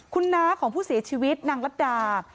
คุณน้าของผู้เสียชีวิตนางรัฐดา